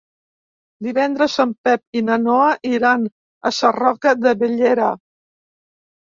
Divendres en Pep i na Noa iran a Sarroca de Bellera.